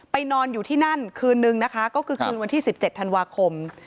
นอนอยู่ที่นั่นคืนนึงนะคะก็คือคืนวันที่๑๗ธันวาคม